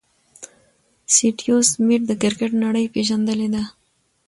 سټیو سميټ د کرکټ نړۍ پېژندلی دئ.